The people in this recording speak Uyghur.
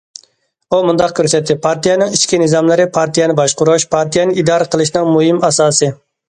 ئۇ مۇنداق كۆرسەتتى: پارتىيەنىڭ ئىچكى نىزاملىرى پارتىيەنى باشقۇرۇش، پارتىيەنى ئىدارە قىلىشنىڭ مۇھىم ئاساسى.